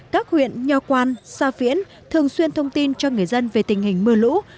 các huyện nhòa quan xa viễn thường xuyên thông tin cho người dân về tình hình mưa lũ